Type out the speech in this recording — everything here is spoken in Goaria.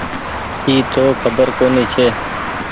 اي تو کبر ڪونيٚ ڇي ۔